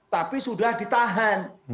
tapi sudah ditahan